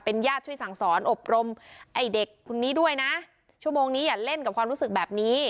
ญาติช่วยสั่งสอนอบรมไอ้เด็กคนนี้ด้วยนะชั่วโมงนี้อย่าเล่นกับความรู้สึกแบบนี้